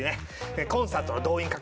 コンサートの動員。